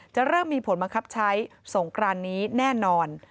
เริ่มมีผลบังคับใช้สงกรานนี้แน่นอน